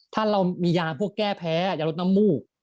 ถ้าเรามีพวกแก้แพ้ยารุตนมูก